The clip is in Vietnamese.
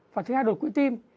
và thứ hai đột quỷ tim